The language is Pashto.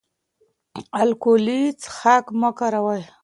الکولي څښاک مه کاروه